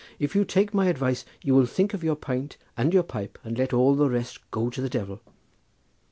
If you take my advice you will think of your pint and your pipe and let all the rest go to the devil."